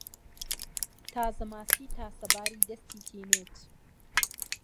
تازەماسیی تاسەباری دەستی تینووت